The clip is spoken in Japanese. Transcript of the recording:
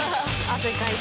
汗かいて。